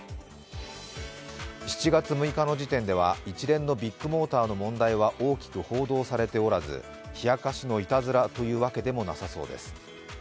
７月６日の時点では一連のビッグモーターの報道は大きく報道されておらず冷やかしのいたずらというわけでもなさそうです。